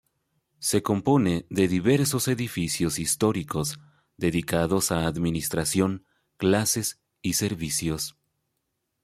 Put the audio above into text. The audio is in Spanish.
Se compone de diversos edificios históricos dedicados a administración, clases y servicios.